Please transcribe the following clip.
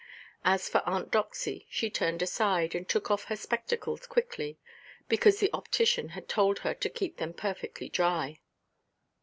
As for Aunt Doxy, she turned aside, and took off her spectacles quickly, because the optician had told her to keep them perfectly dry.